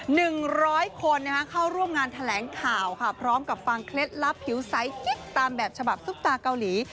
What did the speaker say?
หนึ่งร้อยคนนะคะเข้าร่วมงานแถลงข่าวค่ะพร้อมกับฟังเคล็ดลับผิวใสกิ๊กตามแบบฉบับซุปตาเกาหลี